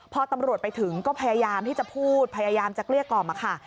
พอตำรวจไปถึงก็พยายามที่จะพูดพยายามจะเกลี้ยกล่อมค่ะ